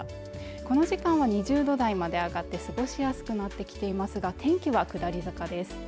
この時間は２０度台まで上がって過ごしやすくなってきていますが天気は下り坂です